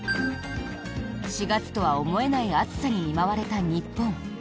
４月とは思えない暑さに見舞われた日本。